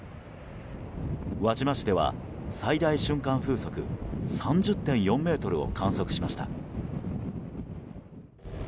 輪島市では最大瞬間風速３０．４メートルを観測しました。